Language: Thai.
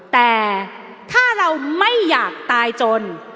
แต่ถ้าเราไม่อยากตายจน